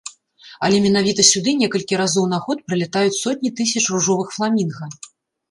Але менавіта сюды некалькі разоў на год прылятаюць сотні тысяч ружовых фламінга.